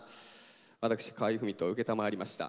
私河合郁人承りました。